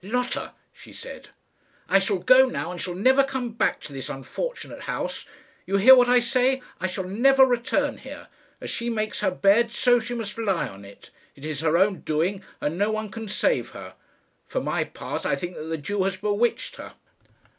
"Lotta," she said, "I shall go now, and shall never come back to this unfortunate house. You hear what I say; I shall never return here. As she makes her bed, so must she lie on it. It is her own doing, and no one can save her. For my part, I think that the Jew has bewitched her."